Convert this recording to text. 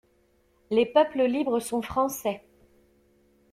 Les peuples libres sont Français!